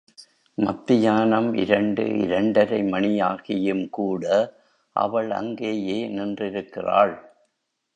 மத்தியானம் இரண்டு இரண்டரை மணியாகியும் கூட அவள் அங்கேயே நின்றிருக்கிறாள்.